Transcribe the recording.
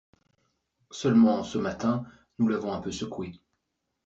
Seulement, ce matin, nous l'avons un peu secoué.